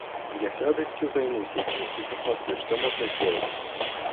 Я с радостью займусь этим и посмотрю, что можно сделать.